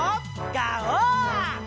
ガオー！